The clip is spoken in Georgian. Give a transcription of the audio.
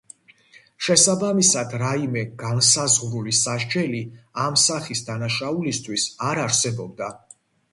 შესაბამისად, რაიმე განსაზღვრული სასჯელი ამ სახის დანაშაულისთვის არ არსებობდა.